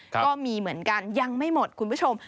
ก็มีเหมือนกันยังไม่หมดคุณผู้ชม